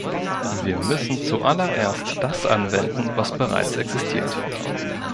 Wir müssen zuallererst das anwenden, was bereits existiert.